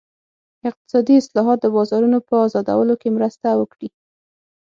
اقتصادي اصلاحات د بازارونو په ازادولو کې مرسته وکړي.